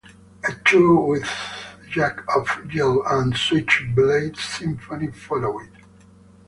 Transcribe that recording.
A tour with Jack Off Jill and Switchblade Symphony followed.